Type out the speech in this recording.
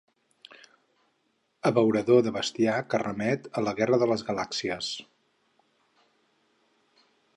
Abeurador de bestiar que remet a La guerra de les galàxies.